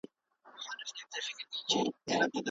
هغوی د ځمکې پراخولو پلانونه درلودل.